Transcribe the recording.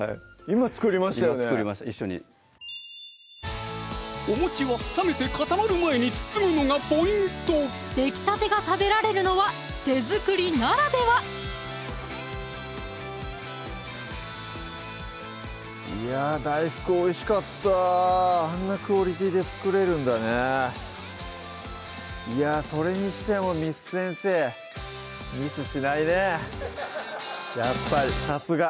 今作りました一緒におもちは冷めて固まる前に包むのがポイントできたてが食べられるのは手作りならではいや大福おいしかったあんなクオリティーで作れるんだねいやそれにしてもやっぱりさすが